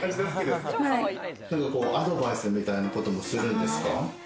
アドバイスみたいなこともするんですか？